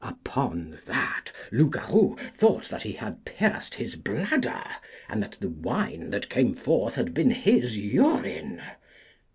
Upon that Loupgarou thought that he had pierced his bladder, and that the wine that came forth had been his urine.